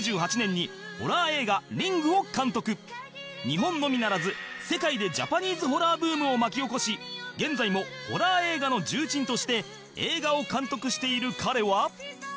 日本のみならず世界でジャパニーズホラーブームを巻き起こし現在もホラー映画の重鎮として映画を監督している彼は